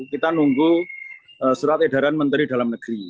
kita nunggu surat edaran menteri dalam negeri